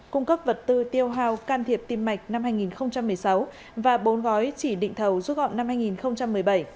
cung cấp vật tư tiêu hào can thiệp tim mạch năm hai nghìn một mươi sáu và bốn gói chỉ định thầu rút gọn năm hai nghìn một mươi bảy